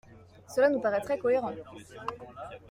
Cela nous paraîtrait cohérent.